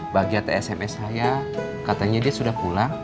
bagian sms saya katanya dia sudah pulang